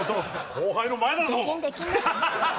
後輩の前だぞ。